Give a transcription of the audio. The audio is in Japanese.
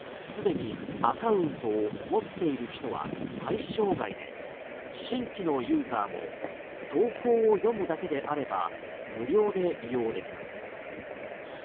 すでにアカウントを持っている人は対象外で新規のユーザーも投稿を読むだけであれば無料で利用できます。